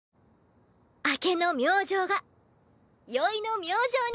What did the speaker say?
明けの明星が宵の明星に。